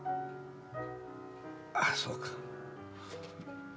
あそうか。